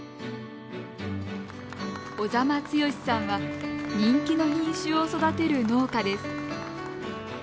小座間剛さんは人気の品種を育てる農家です。